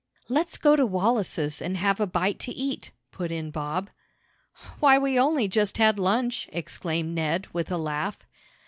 "Let's go to Wallace's and have a bite to eat," put in Bob. "Why, we only just had lunch!" exclaimed Ned, with a laugh.